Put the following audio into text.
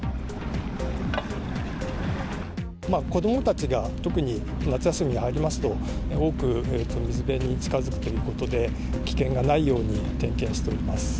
子どもたちが特に夏休み入りますと、多く水辺に近づくということで、危険がないように点検しております。